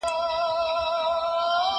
زه به سبا لاس پرېولم وم!؟